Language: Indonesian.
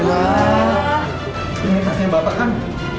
ini tasnya bapak kan